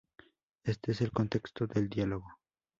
Este es el contexto del dialogo.